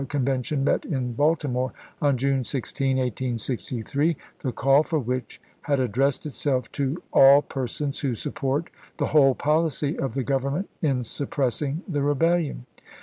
^' Convention met in Baltimore on June 16, 1863, the call for which had addressed itself to " all persons who support the whole policy of the Government in suppressing the Rebellion."